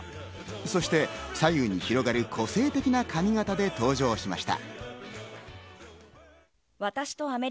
そして左右に広がる個性的な髪型で登場しました。